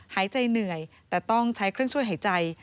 หายใจเหนื่อยแต่ต้องใช้เครื่องช่วยหายใจ